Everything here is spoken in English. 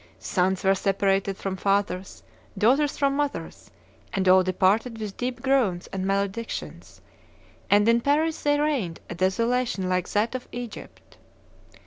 Sons were separated from fathers, daughters from mothers, and all departed with deep groans and maledictions, and in Paris there reigned a desolation like that of Egypt.